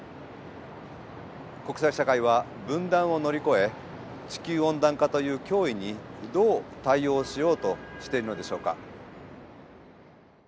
国際社会は分断を乗り越え地球温暖化という脅威にどう対応しようとしているのでしょうか。